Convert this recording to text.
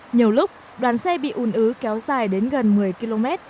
nhiều lúc đoàn xe bị un ứ kéo dài đến gần một mươi km